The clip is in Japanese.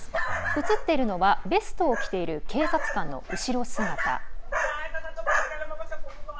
映っているのはベストを着ている警察官の後ろ姿。